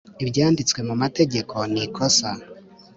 ibyanditswe mu mategeko nikosa.